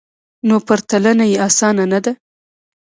نو پرتلنه یې اسانه نه ده